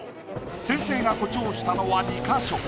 先生が誇張したのは２か所。